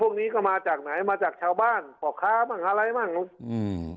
พวกนี้ก็มาจากไหนมาจากชาวบ้านพ่อค้าบ้างอะไรบ้างอืม